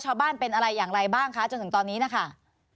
ชาวบ้านเป็นอะไรอย่างไรบ้างคะจนถึงตอนนี้นะคะ